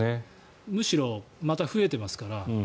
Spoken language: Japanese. むしろまた増えてますから。